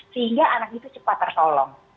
sehingga anak itu cepat tertolong